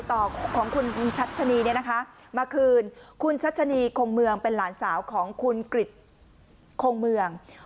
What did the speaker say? ของคุณชัชนีเนี่ยนะคะมาคืนคุณชัชนีคงเมืองเป็นหลานสาวของคุณกริจคงเมือง